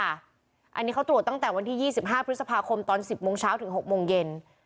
อันนี้เขาตรวจตั้งแต่วันที่๒๕พฤษภาคมตอน๑๐โมงเช้าถึง๖โมงเย็น